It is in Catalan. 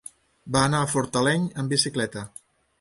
Va anar a Fortaleny amb bicicleta.